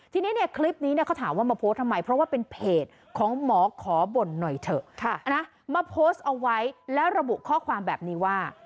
ทีนี้เนี่ยคลิปนี้เนี่ยเขาถามว่ามาโพสต์ทำไมเพราะว่าเป็นเพจของหมอขอบ่นหน่อยเถอะนะมาโพสต์เอาไว้แล้วระบุข้อความแบบนี้ว่า